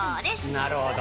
なるほど。